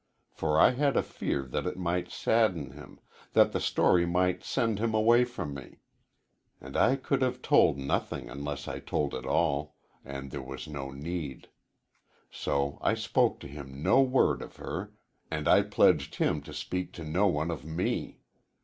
For I had a fear that it might sadden him that the story might send him away from me. And I could have told nothing unless I told it all, and there was no need. So I spoke to him no word of her, and I pledged him to speak to no one of me.